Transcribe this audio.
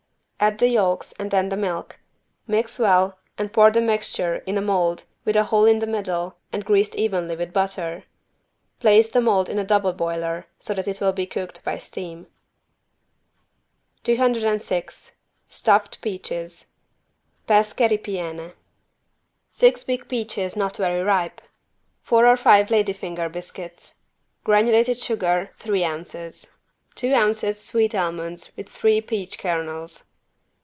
Add the yolks and then the milk, mix well and pour the mixture in a mold with a hole in the middle and greased evenly with butter. Place the mold in a double boiler so that it will be cooked by steam. 206 STUFFED PEACHES (Pesche ripiene) Six big peaches not very ripe. Four or five lady finger biscuits. Granulated sugar, three ounces. Two ounces sweet almonds with three peach kernels.